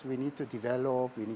karena kita perlu membangun